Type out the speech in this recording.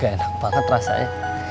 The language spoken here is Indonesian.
gak enak banget rasanya